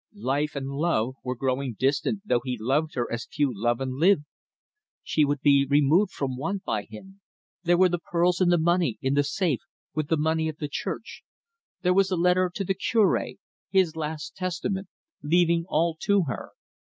Life and Love were growing distant though he loved her as few love and live. She would be removed from want by him there were the pearls and the money in the safe with the money of the Church; there was the letter to the Cure, his last testament, leaving all to her.